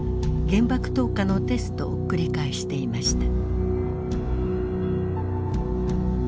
原爆投下のテストを繰り返していました。